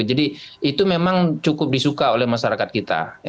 jadi itu memang cukup disuka oleh masyarakat kita